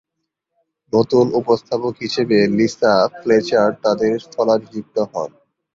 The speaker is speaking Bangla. নতুন উপস্থাপক হিসেবে লিসা ফ্লেচার তাদের স্থলাভিষিক্ত হন।